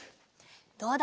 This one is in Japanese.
どうだ？